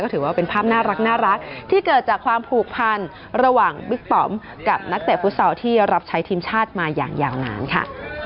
ถือว่าเป็นภาพน่ารักที่เกิดจากความผูกพันระหว่างบิ๊กปอมกับนักเตะฟุตซอลที่รับใช้ทีมชาติมาอย่างยาวนานค่ะ